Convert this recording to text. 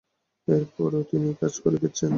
এরপরও তিনি কাজ করে গেছেন।